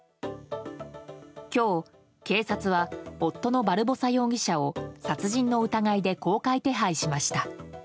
今日、警察は夫のバルボサ容疑者を殺人の疑いで公開手配しました。